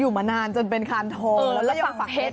อยู่มานานจนเป็นคาลทองแล้วฝั่งเจ็ด